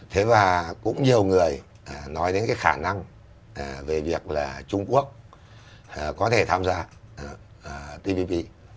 thế và cũng nhiều người nói đến cái khả năng về việc là trung quốc có thể tham gia tvp